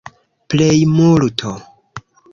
plejmulto